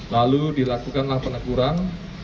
lalu dilakukanlah peneguran